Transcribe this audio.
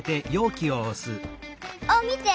あっみて！